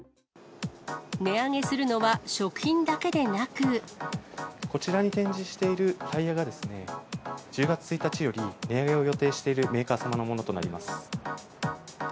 値上げするのは、食品だけでこちらに展示しているタイヤが、１０月１日より値上げを予定しているメーカー様のものとなります。